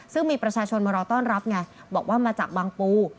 ซึ่งมีประชาชนมารอต้อนรับไงบอกว่ามาจากบางปู